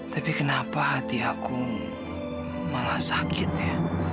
tapi kenapa hati aku malah sakit ya